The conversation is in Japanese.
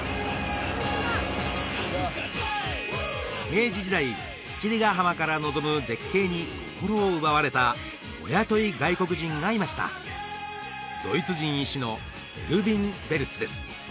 明治時代七里ヶ浜から望む絶景に心を奪われたお雇い外国人がいましたドイツ人医師のエルヴィン・ベルツです